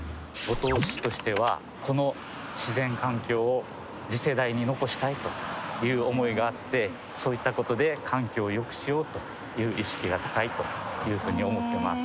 五島市としてはこの自然環境を次世代に残したいという思いがあってそういったことで環境をよくしようという意識が高いというふうに思ってます。